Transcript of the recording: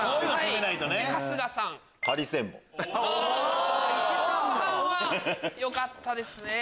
後半はよかったですね。